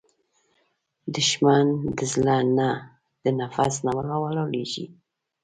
دښمن د زړه نه، د نفس نه راولاړیږي